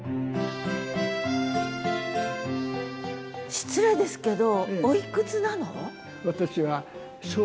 失礼ですけどおいくつなの？